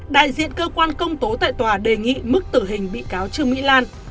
đại diện cơ quan công tố tại tòa đề nghị mức tử hình bị cáo trương mỹ lan